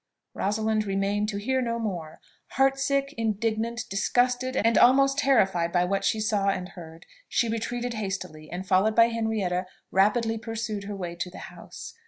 Rosalind remained to hear no more. Heartsick, indignant, disgusted, and almost terrified by what she saw and heard, she retreated hastily, and, followed by Henrietta, rapidly pursued her way to the house.